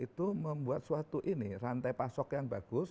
itu membuat suatu ini rantai pasok yang bagus